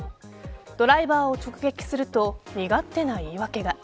ドライバーを直撃すると身勝手な言い訳が。